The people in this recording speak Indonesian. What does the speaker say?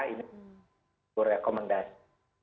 ini gue rekomendasikan